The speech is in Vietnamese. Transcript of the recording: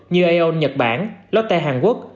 như aeon nhật bản lotte hàn quốc